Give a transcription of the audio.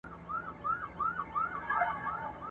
را وتلی په ژوند نه وو له ځنګلونو ..